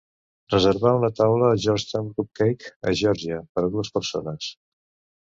Reservar una taula a Georgetown Cupcake a Geòrgia per a dues persones